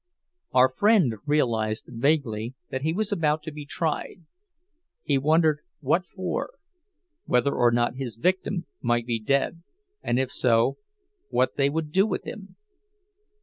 Our friend realized vaguely that he was about to be tried. He wondered what for—whether or not his victim might be dead, and if so, what they would do with him.